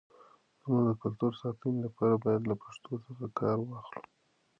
زموږ د کلتور د ساتنې لپاره، باید له پښتو څخه کار واخلو.